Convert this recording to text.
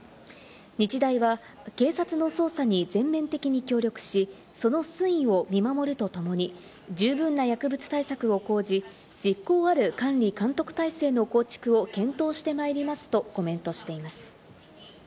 日大は警察の捜査に全面的に協力し、その推移を見守るとともに、十分な薬物対策を講じ、実効ある管理監督体制の構築を検討してまいりますとコメントしています。